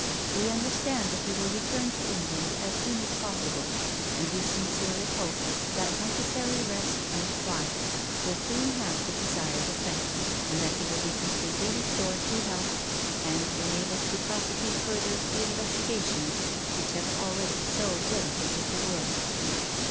We understand that he will return to England as soon as possible, and we PROFESSOR GUILDEA. 333 sincerely hope that necessary rest and quiet will soon have the desired effect, and that he will be completely restored to health and enabled to pros ecute further the investigations which have already so benefited the world."